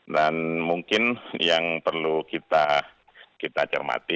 dan mungkin yang perlu kita cermati